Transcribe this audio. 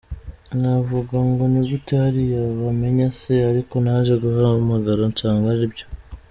Nkavuga ngo ni gute hariya bamenya se ? Ariko naje guhamagara nsanga ari byo.